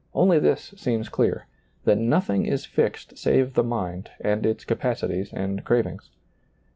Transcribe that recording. Only this seems clear, that notliing is fixed save the mind and its capacities and crav ings.